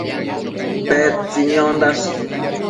Tedtsi niondash?